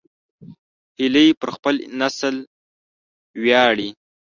هیلۍ پر خپل نسل ویاړي